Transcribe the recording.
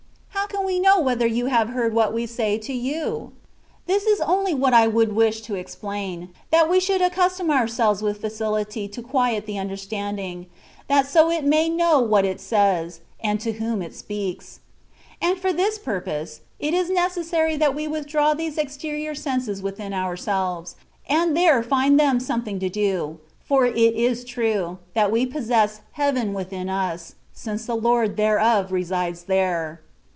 How can we know whether You have heard what we say to You ? This is only what I would wish to explain ; that we should accustom ourselves with facility to quiet the understanding, that so it may know what it says, and to whom it speaks ; and for this purpose, it is necessary that we withdraw these exterior senses within ourselves, and there find them something to do; for it is true, that we possess heaven within us, since the Lord thereof resides there.